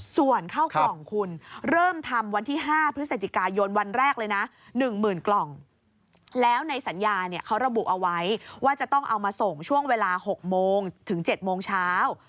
ส่วนข้าวกล่องคุณเริ่มทำวันที่๕พฤศจิกายนวันแรกเลยนะ๑๐๐๐กล่องแล้วในสัญญาเนี่ยเขาระบุเอาไว้ว่าจะต้องเอามาส่งช่วงเวลา๖โมงถึง๗โมงเช้า